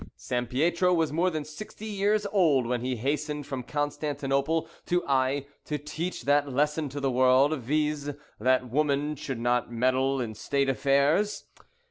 "Sampietro was more than sixty years old when he hastened from Constantinople to Aix to teach that lesson to the world, viz., that women should not meddle in state affairs."